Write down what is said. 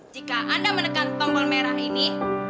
jika anda menekan tombol merah ini